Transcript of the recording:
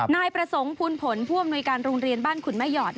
นายประสงค์ภูลผลผู้อำนวยการโรงเรียนบ้านขุนแม่หอด